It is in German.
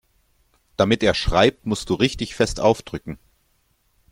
Damit er schreibt, musst du richtig fest aufdrücken.